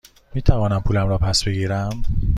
می توانم پولم را پس بگیرم؟